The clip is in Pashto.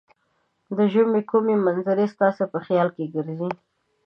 د ژمې کومې منظرې ستاسې په خیال کې ګرځي؟